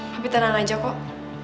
tapi tenang aja kok